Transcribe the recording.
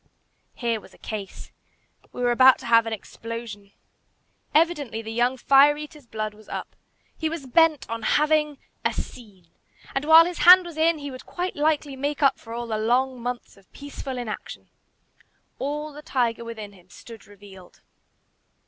Here was a case. We were about to have an explosion. Evidently the young fire eater's blood was up. He was bent on having "a scene;" and, while his hand was in, he would quite likely make up for all the long months of peaceful inaction. All the tiger within him stood revealed.